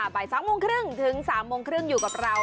บ่าย๒โมงครึ่งถึง๓โมงครึ่งอยู่กับเรา